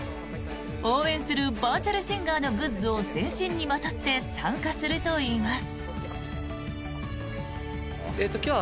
応援するバーチャルシンガーのグッズを全身にまとって参加するといいます。